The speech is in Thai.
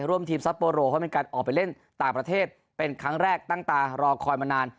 ร่วมทีมซัปโปโรเพราะเป็นการออกไปเล่นต่างประเทศเป็นครั้งแรกตั้งตารอคอยมานาน